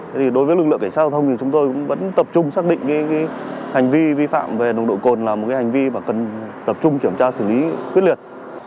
thế thì đối với lực lượng cảnh sát giao thông thì chúng tôi cũng vẫn tập trung xác định cái hành vi vi phạm về nồng độ cồn là một cái hành vi và cần tập trung kiểm tra xử lý quyết liệt